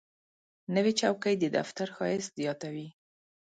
نوې چوکۍ د دفتر ښایست زیاتوي